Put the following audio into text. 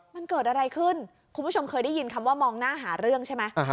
มันเกิดอะไรขึ้นคุณผู้ชมเคยได้ยินคำว่ามองหน้าหาเรื่องใช่ไหม